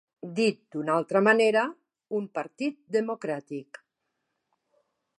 Dit d'una altra manera, un partit democràtic.